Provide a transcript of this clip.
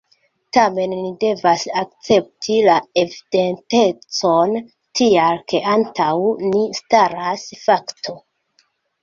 Tamen ni devas akcepti la evidentecon, tial ke antaŭ ni staras fakto.